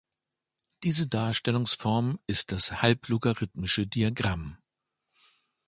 Diese Darstellungsform ist das halb-logarithmische Diagramm.